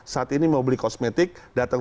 saat ini mau beli kosmetik datang